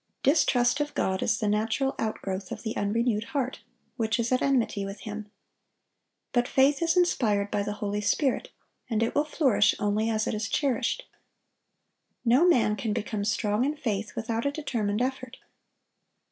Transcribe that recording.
Distrust of God is the natural outgrowth of the unrenewed heart, which is at enmity with Him. But faith is inspired by the Holy Spirit, and it will flourish only as it is cherished. No man can become strong in faith without a determined effort.